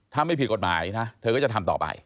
ถ้าไม่ผิดกฎหมายนะเธอก็จะทำต่อไป